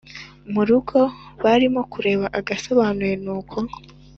murugo barimo kureba agasobanuye nuko